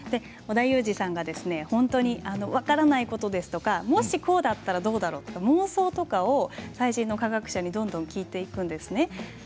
織田裕二さんは本当に分からないことですとかもし、こうだったらどうだとか妄想とかを最新の科学者にどんどん聞いていくんですね。